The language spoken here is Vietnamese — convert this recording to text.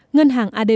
ngàn hàng adb hạnh